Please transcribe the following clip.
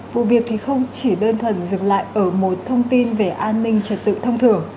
vụ việc thì không chỉ đơn thuần dừng lại ở một thông tin về an ninh trật tự thông thường